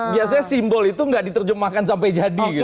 biasanya simbol itu gak diterjemahkan sampai jadi gitu